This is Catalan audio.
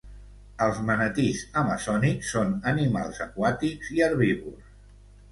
Els manatís amazònics són animals aquàtics i herbívors.